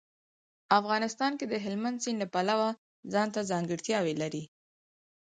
افغانستان د هلمند سیند له پلوه ځانته ځانګړتیاوې لري.